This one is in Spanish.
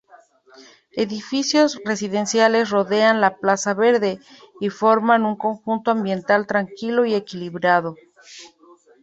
Edificios residenciales rodean la plaza verde y forman un conjunto ambiental tranquilo y equilibrado.